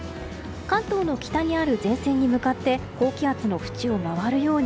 関東の北にある前線に向かって高気圧のふちを回るように